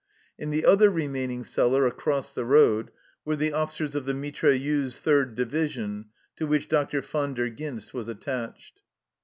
In the other remaining cellar across the road were the officers of the Mitrailleuse Third Division, to which Dr. Van der Ghinst was attached.